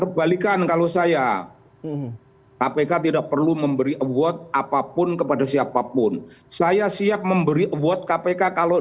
berbalikan kalau saya kpk tidak perlu memberi award apapun kepada siapapun saya siap memberi award kpk kalau